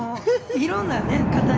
いろんなね、方に。